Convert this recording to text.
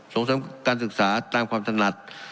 ส่งเสริมการศึกษาตามความถนัด